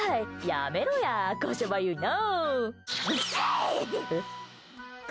やめろや、こしょばゆいな！